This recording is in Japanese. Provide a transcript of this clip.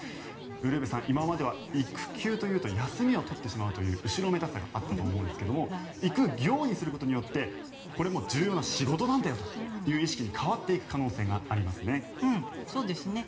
ウルヴェさん今までは育休というと休みを取ってしまうという後ろめたさがあったと思うんですが育業にすることによってこれも重要な仕事なんだよという意識に変わっていく可能性がありますね。